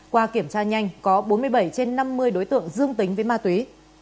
qua kiểm tra nhanh có bốn mươi bảy trên năm mươi đối tượng dương tính với ma túy